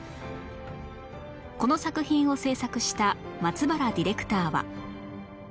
この作品を制作した松原ディレクターは